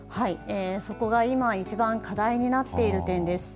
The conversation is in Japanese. そこが今、一番課題になっている点です。